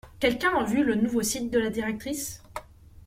Quelqu'un a vu le nouveau site de la directrice?